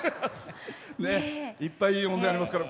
いっぱいいい温泉ありますから。